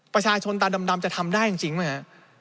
ประชาชนตาดำจะทำได้จริงไหมฮะ